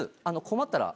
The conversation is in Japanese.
困ったら？